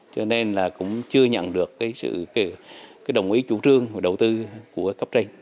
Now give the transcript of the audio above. cho nên là cũng chưa nhận được cái sự đồng ý chủ trương và đầu tư của cấp tranh